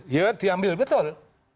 iya diambil betul